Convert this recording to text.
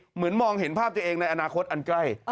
มองเห็นภาพตัวเองในอนาคตอันใกล้